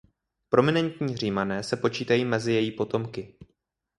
Prominentní Římané se počítají mezi její potomky.